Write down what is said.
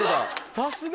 さすが。